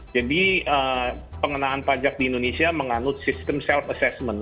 jadi pengenaan pajak di indonesia menganut sistem self assessment